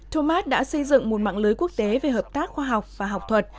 thomas đã xây dựng một mạng lưới quốc tế về hợp tác khoa học và học thuật